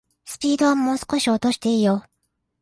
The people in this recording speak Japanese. スピードはもう少し落としていいよ